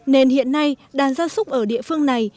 nên hiện nay đàn gia súc ở địa phương này